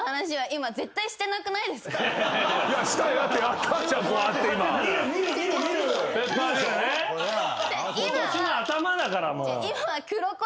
今年の頭だからもう。